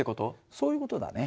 そういう事だね。